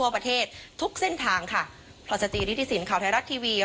พลอยสจีริฐิสินข่าวไทยรัฐทีวี